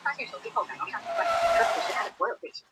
核心内涵应用技术